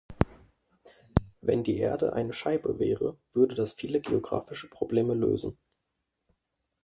Wenn die Erde eine Scheibe wäre, würde das viele geographische Probleme lösen.